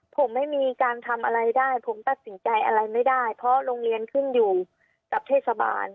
ผมไม่มีการทำอะไรได้ผมตัดสินใจอะไรไม่ได้เพราะโรงเรียนขึ้นอยู่กับเทศบาล